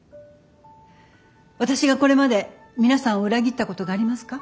私がこれまで皆さんを裏切ったことがありますか？